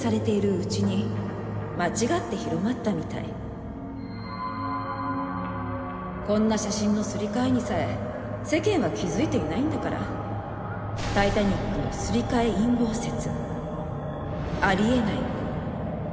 代わりに同じつくりのこんな写真のすり替えにさえ世間は気付いていないんだからタイタニックのすり替え陰謀説